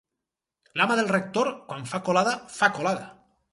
L'ama del rector quan fa colada, fa colada.